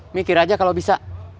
mikir aja kalau bisa